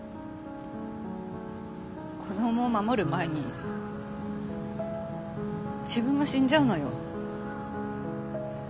子供を守る前に自分が死んじゃうのよ。